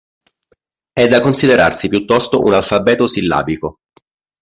È da considerarsi piuttosto un alfabeto sillabico.